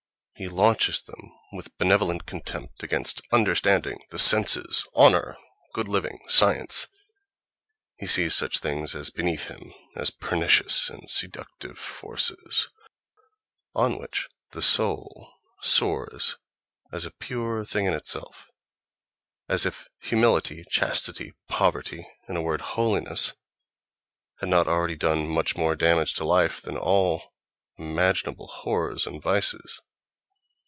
he launches them with benevolent contempt against "understanding," "the senses," "honor," "good living," "science"; he sees such things as beneath him, as pernicious and seductive forces, on which "the soul" soars as a pure thing in itself—as if humility, chastity, poverty, in a word, holiness, had not already done much more damage to life than all imaginable horrors and vices....